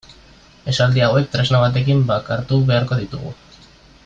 Esaldi hauek tresna batekin bakartu beharko ditugu.